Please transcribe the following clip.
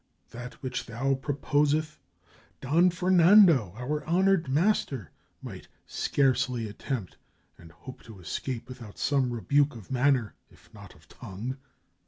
That which thou proposeth, Don Fernando, our honored master, might scarcely attempt, and hope to escape without some rebuke of manner, if not of tongue."